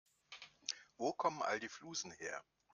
Wo kommen all die Flusen her?